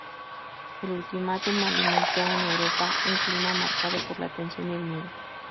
El ultimátum alimentó en Europa un clima marcado por la tensión y el miedo.